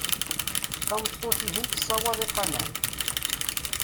Tameṭṭut-ihin tessawaḍ iqannan.